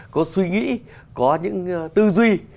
có suy nghĩ có những tư duy